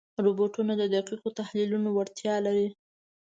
روبوټونه د دقیقو تحلیلونو وړتیا لري.